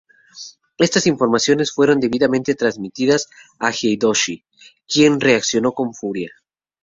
Estas informaciones fueron debidamente transmitidas a Hideyoshi, quien reaccionó con furia.